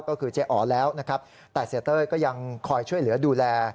ก็คือเจ๊อ๋อแล้วนะครับแต่เสียเต้ยก็ยังคอยช่วยเหลือดูแล